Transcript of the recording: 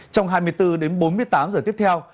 trong hai mươi bốn h đến bốn mươi tám h tiếp theo